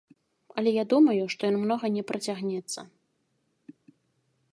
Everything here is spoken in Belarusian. Але я думаю, што ён многа не працягнецца.